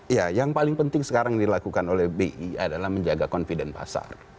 ya yang paling penting sekarang dilakukan oleh bi adalah menjaga confident pasar